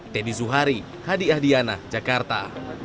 teddy zuhari hadi ahdiana jakarta